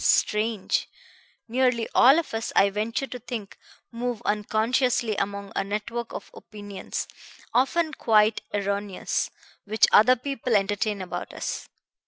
Strange! Nearly all of us, I venture to think, move unconsciously among a network of opinions, often quite erroneous, which other people entertain about us.